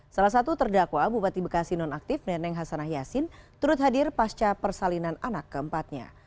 salah satu terdakwa bupati bekasi nonaktif neneng hasanah yassin turut hadir pasca persalinan anak keempatnya